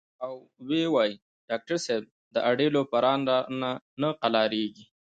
او وې ئې " ډاکټر صېب د اډې لوفران رانه نۀ قلاریږي